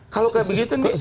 kalau kayak begitu nih